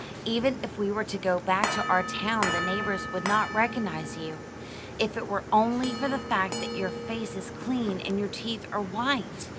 Even if we were to go back to our town the neighbors would not recognize you, if it were only for the fact that your face is clean and your teeth are white.